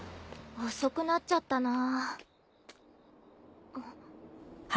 遅くなっちゃったな。